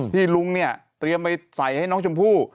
ลุงเนี่ยเตรียมไปใส่ให้น้องชมพู่